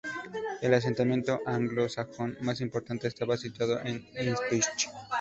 El asentamiento anglo-sajón más importante estaba situado en Ipswich.